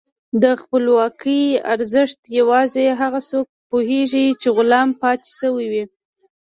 د خپلواکۍ ارزښت یوازې هغه څوک پوهېږي چې غلام پاتې شوي وي.